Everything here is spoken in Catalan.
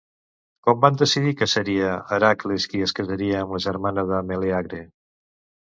Com van decidir que seria Hèracles qui es casaria amb la germana de Melèagre?